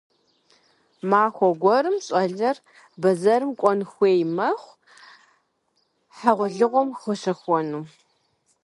Махуэ гуэрым щӀалэр бэзэрым кӀуэн хуей мэхъу, хьэгъуэлӀыгъуэм хуэщэхуэну.